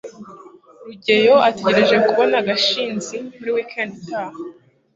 rugeyo ategereje kubona gashinzi muri wikendi itaha